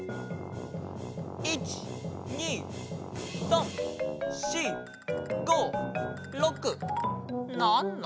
１２３４５６７？